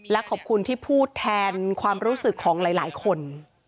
และขอบคุณที่พูดแทนความรู้สึกของหลายคน